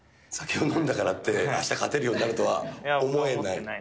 酒を飲んだからって、あした勝てるようになるとは思えない。